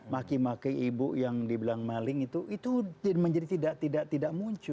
maki maki ibu yang dibilang maling itu itu menjadi tidak muncul